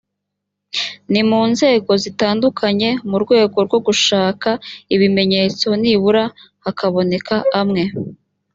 ni mu nzego zitandukanye mu rwego rwo gushaka ibimenyetso nibura hakaboneka amwe